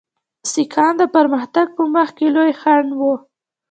سیکهان د پرمختګ په مخ کې لوی خنډ وو.